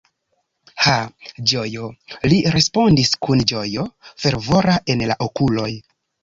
Ha, ĝojo! li respondis kun ĝojo fervora en la okuloj.